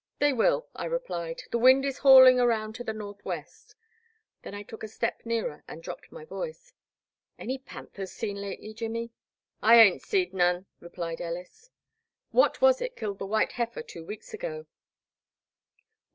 "They will," I replied, "the wind is hauling around to the northwest." Then I took a step nearer and dropped my voice. " Any panthers seen lately, Jimmy ?"" I hain't seed none," replied Ellis. "What was it killed the white heifer two weeks ago?"